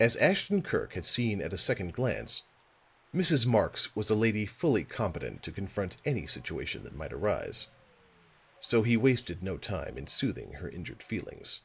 As Ashton Kirk had seen at a second glance, Mrs. Marx was a lady fully competent to confront any situation that might arise; so he wasted no time in soothing her injured feelings.